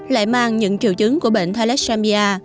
lại mang những triệu chứng của bệnh thalassemia